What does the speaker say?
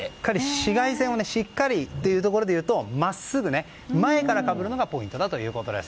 紫外線をしっかりというところでいうと真っすぐ前からかぶるのがポイントだということです。